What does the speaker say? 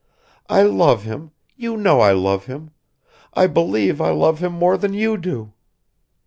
I love him ... you know I love him ... I believe I love him more than you do.